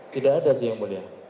tidak ada sih yang mulia